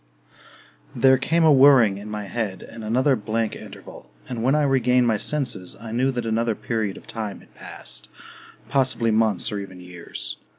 II There came a whirring in my head, and another blank interval; and when I regained my senses I knew that another period of time had passed, possibly months or even years.